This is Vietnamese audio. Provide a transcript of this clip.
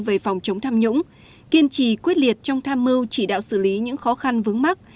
về phòng chống tham nhũng kiên trì quyết liệt trong tham mưu chỉ đạo xử lý những khó khăn vướng mắt